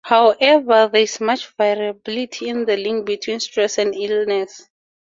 However, there is much variability in the link between stress and illness.